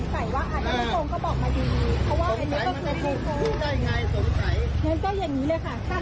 แต่ว่าจะไม่เอาลูกนี้แน่